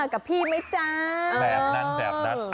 กับพี่ไหมจ๊ะแบบนั้นแบบนั้น